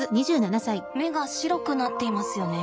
目が白くなっていますよね。